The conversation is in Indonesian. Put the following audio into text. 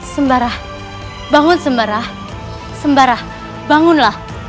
sembara bangun sembara sembara bangunlah